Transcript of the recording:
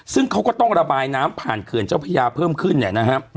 ซึ่งเขาก็ต้องระบายน้ำผ่านเขื่อนเจ้าพระยาเพิ่มขึ้นเนี่ยนะฮะ